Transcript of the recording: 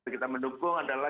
kita mendukung adalah